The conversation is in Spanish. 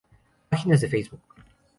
Páginas de Facebook.